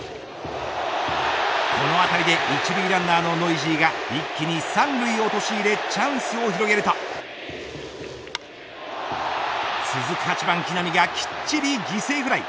このあたりで一塁ランナーのノイジーが一気に三塁へ陥れチャンスを広げると続く８番木浪がきっちり犠牲フライ。